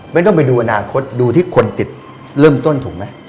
ไม่ต้องไปดูอนาคตดูที่คนติดเริ่มต้นถูกไหม